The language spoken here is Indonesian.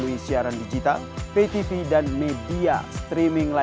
ini yang di bandung itu ya